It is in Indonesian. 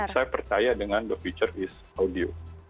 saya percaya dengan the future is audio